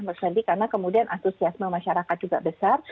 maksudnya karena kemudian atusiasme masyarakat juga besar